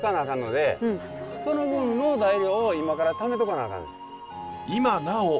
かんのでその分の材料を今からためとかなあかん。